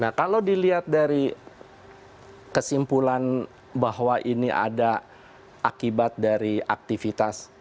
nah kalau dilihat dari kesimpulan bahwa ini ada akibat dari aktivitas